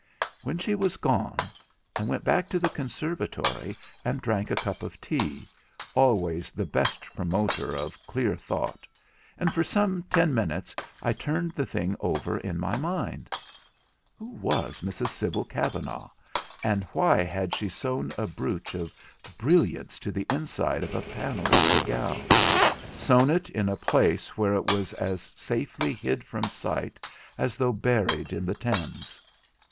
When she was gone, I went back to the conservatory and drank a cup of tea, always the best promotor of clear thought; and for some ten minutes I turned the thing over in my mind. Who was Mrs Sibyl Kavanagh, and why had she sewn a brooch of brilliants to the inside of a panel of her gown—sewn it in a place where it was as safely hid from sight as though buried in the Thames?